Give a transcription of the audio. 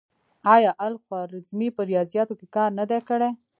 آیا الخوارزمي په ریاضیاتو کې کار نه دی کړی؟